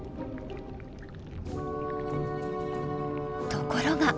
ところが！